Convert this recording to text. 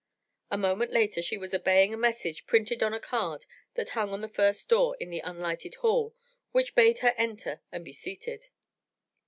A moment later she was obeying a message printed on a card that hung on the first door in the unlighted hall which bade her enter and be seated.